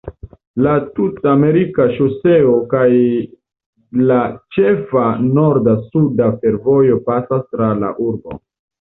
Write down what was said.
La Tut-Amerika Ŝoseo kaj la ĉefa norda-suda fervojo pasas tra la urbo.